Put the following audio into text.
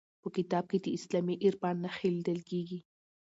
په کتاب کې د اسلامي عرفان نښې لیدل کیږي.